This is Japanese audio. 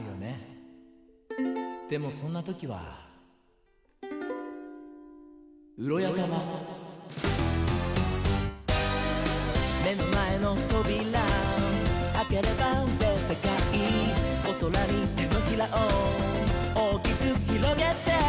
「でもそんなときはウロヤタマ」「めのまえのトビラあければべっせかい」「おそらにてのひらをおおきくひろげて」